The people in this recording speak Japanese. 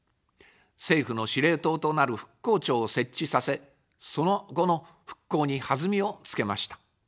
政府の司令塔となる復興庁を設置させ、その後の復興に弾みをつけました。